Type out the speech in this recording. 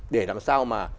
để làm sao mà